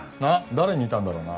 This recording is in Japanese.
誰に似たんだろうな。